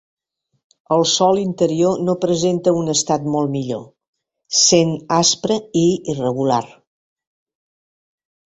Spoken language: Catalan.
El sòl interior no presenta un estat molt millor, sent aspre i irregular.